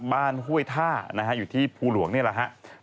ห้วยท่านะฮะอยู่ที่ภูหลวงนี่แหละครับ